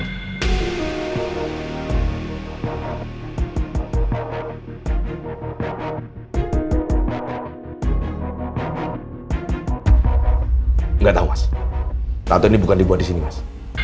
tidak tahu mas tahu ini bukan dibuat di sini mas